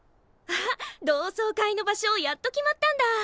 あっ同窓会の場所やっと決まったんだ。